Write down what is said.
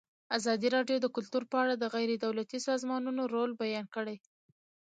ازادي راډیو د کلتور په اړه د غیر دولتي سازمانونو رول بیان کړی.